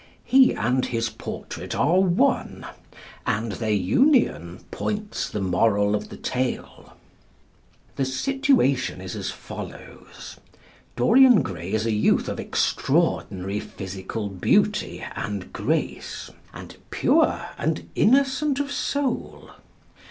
He and his portrait are one, and their union points the moral of the tale. The situation is as follows. Dorian Gray is a youth of extraordinary physical beauty and grace, and pure and innocent of soul.